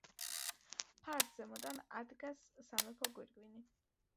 ფარს ზემოდან ადგას სამეფო გვირგვინი.